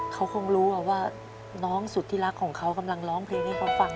เขาคงรู้ว่าน้องสุดที่รักของเขากำลังร้องเพลงให้เขาฟัง